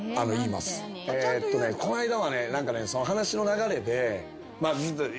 この間はね話の流れで。